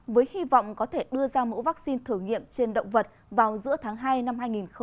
với hy vọng có thể đưa ra mẫu vaccine thử nghiệm trên động vật vào giữa tháng hai năm hai nghìn hai mươi